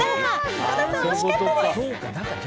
井戸田さん、惜しかったです。